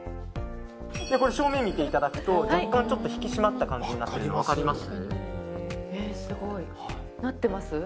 正面見ていただくと若干引き締まった感じになったの分かります？